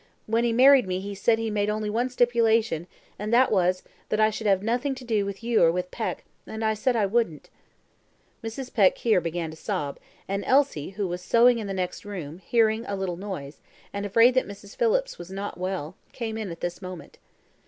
When he married me he said he made only one stipulation, and that was, that I should have nothing to do with you or with Peck, and I said I wouldn't." Mrs. Peck here began to sob, and Elsie who was sewing in the next room, hearing a little noise, and afraid that Mrs. Phillips was not well, came in at this moment.